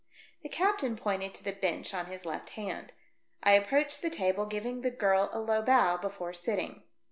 The captain pointed to the bench on his left hand. I approached the table, giving the grirl a low bow before sittino